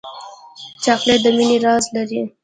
چاکلېټ د مینې راز لري.